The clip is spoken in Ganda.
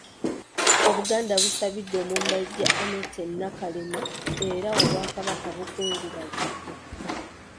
Obuganda busabidde omumbejja Annette Nakalema era Obwakabaka bukungubagidde.